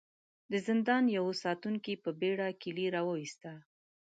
د زندان يوه ساتونکي په بېړه کيلې را وايسته.